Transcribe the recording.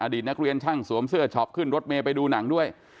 นักเรียนช่างสวมเสื้อช็อปขึ้นรถเมย์ไปดูหนังด้วย